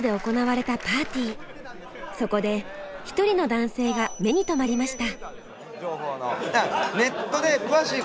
そこで一人の男性が目に留まりました。